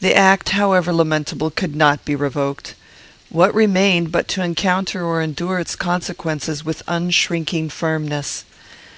The act, however lamentable, could not be revoked. What remained but to encounter or endure its consequences with unshrinking firmness?